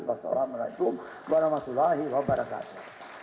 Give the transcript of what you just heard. wassalamualaikum warahmatullahi wabarakatuh